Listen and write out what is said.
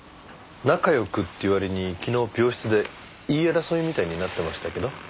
仲良くっていう割に昨日病室で言い争いみたいになってましたけど？